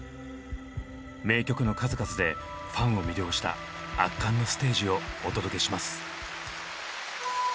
名曲の数々でファンを魅了した圧巻のステージをお届けします。